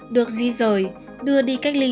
được di rời đưa đi cách ly